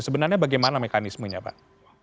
sebenarnya bagaimana mekanismenya pak